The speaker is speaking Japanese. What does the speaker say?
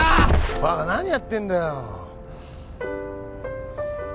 バカ何やってんだよ